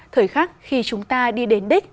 thời khắc khi chúng ta đi đến đích